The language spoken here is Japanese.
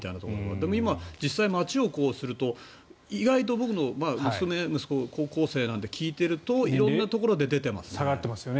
でも、今は実際に街を見て意外と僕の娘、息子高校生なので聞いていると色んなところで出てますよね。